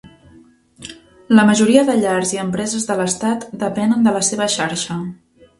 La majoria de llars i empreses de l'estat depenen de la seva xarxa.